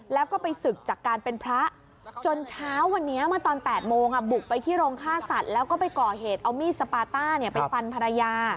แล้วก็ไปศึกจากการเป็นพระจนเช้าวันนี้เมื่อตอน๘โมงบุกไปที่โรงฆ่าสัตว์แล้วก็ไปก่อเหตุเอามีดสปาต้าไปฟันภรรยา